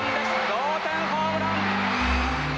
同点ホームラン。